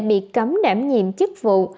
bị cấm đảm nhiệm chức vụ